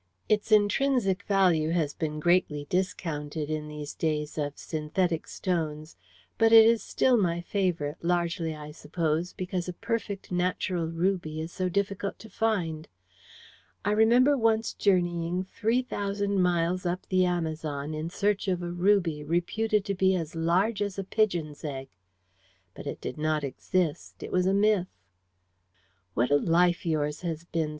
"Its intrinsic value has been greatly discounted in these days of synthetic stones, but it is still my favourite, largely, I suppose, because a perfect natural ruby is so difficult to find. I remember once journeying three thousand miles up the Amazon in search of a ruby reputed to be as large as a pigeon's egg. But it did not exist it was a myth." "What a life yours has been!"